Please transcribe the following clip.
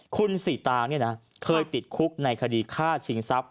คุณศรีตาเนี่ยนะเคยติดคุกในคดีฆ่าชิงทรัพย